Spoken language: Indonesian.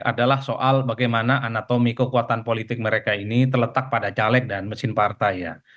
adalah soal bagaimana anatomi kekuatan politik mereka ini terletak pada caleg dan mesin partai ya